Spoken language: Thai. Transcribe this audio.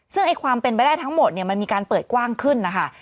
ซึ่งความเป็นแบร่าทั้งหมดมันมีการเปิดกว้างขึ้นนะคะ